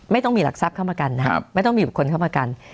ไม่ต้องมีหลักทรัพย์เข้าประกันนะครับไม่ต้องมีบุคคลเข้าประกัน